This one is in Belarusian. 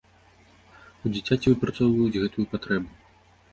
У дзіцяці выпрацоўваюць гэтую патрэбу.